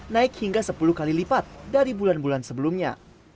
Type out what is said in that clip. naik hingga sepuluh kali lipat dari bulan bulan sebelumnya